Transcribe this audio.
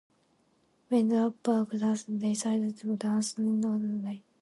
When the upper classes decided to dance indoors, the instrumentation was radically altered.